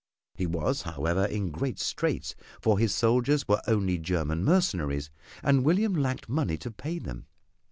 He was, however, in great straits, for his soldiers were only German mercenaries and William lacked money to pay them.